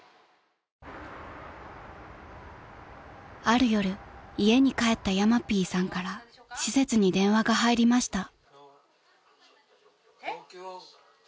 ［ある夜家に帰ったヤマピーさんから施設に電話が入りました］